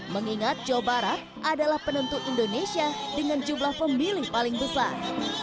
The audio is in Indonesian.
mengingat jawa barat adalah penentu indonesia dengan jumlah pemilih paling besar